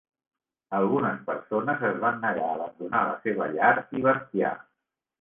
Algunes persones es van negar a abandonar la seva llar i bestiar.